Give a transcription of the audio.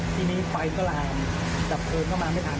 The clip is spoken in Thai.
ทีนี้ไฟก็ลามดับเพลิงก็มาไม่ทัน